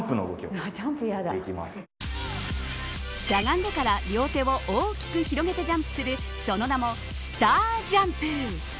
しゃがんでから両手を大きく広げてジャンプするその名もスタージャンプ。